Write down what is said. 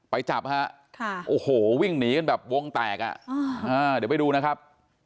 ไปจับฮะโอ้โหวิ่งหนีกันแบบวงแตกอ่ะเดี๋ยวไปดูนะครับ